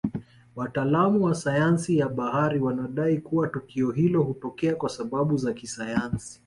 Wataalamu wa sayansi ya bahari wanadai kua tukio hilo hutokea kwasababu za kisayansi